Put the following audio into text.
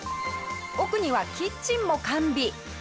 奥にはキッチンも完備。